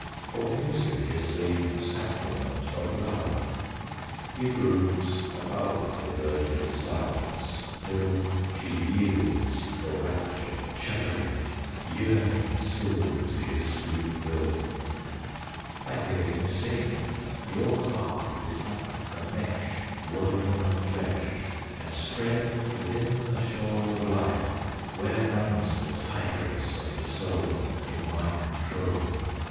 For music is the sacrament of love; He broods above The virgin silence, till She yields for rapture shuddering, yearning still To his sweet will. I hear him sing, "Your harp is like a mesh, Woven of flesh And spread within the shoal Of life, where runs the tide race of the soul In my control.